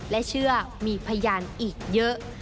และเชื่อมีพยานอีกเยอะ